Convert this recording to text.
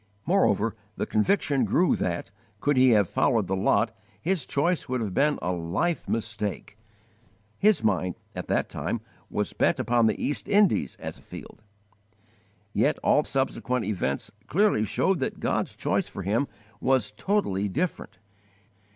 Moreover the conviction grew that, could he have followed the lot, his choice would have been a life mistake. His mind, at that time, was bent upon the East Indies as a field. Yet all subsequent events clearly showed that God's choice for him was totally different.